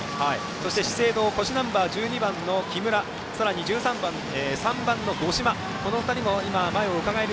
資生堂腰ナンバー１２番の木村さらに３番の五島が前をうかがえる